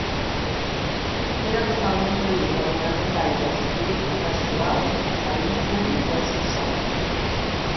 Queda totalment prohibit l'abocament d'aigües i productes residuals al llit públic o al subsòl.